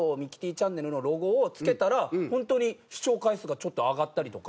チャンネルのロゴを付けたら本当に視聴回数がちょっと上がったりとか。